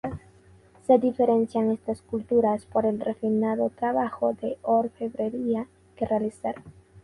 Se diferencian estas culturas por el refinado trabajo de orfebrería que realizaron.